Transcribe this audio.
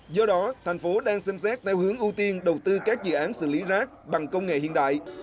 do đó thành phố đang xem xét theo hướng ưu tiên đầu tư các dự án xử lý rác bằng công nghệ hiện đại